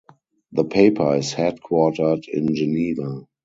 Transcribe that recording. The paper is headquartered in Geneva.